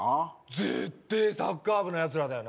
ぜーってえサッカー部のやつらだよな。